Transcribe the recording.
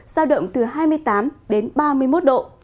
giao động từ hai mươi tám đến ba mươi một độ